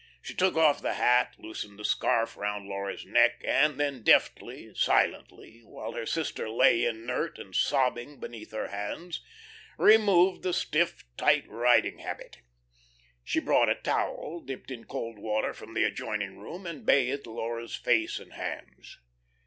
She took off the hat, loosened the scarf around Laura's neck, and then deftly, silently, while her sister lay inert and sobbing beneath her hands, removed the stiff, tight riding habit. She brought a towel dipped in cold water from the adjoining room and bathed Laura's face and hands.